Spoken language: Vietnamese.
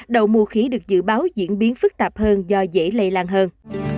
đậu mùa khí được dự báo diễn biến phức tạp hơn do dễ lây lan hơn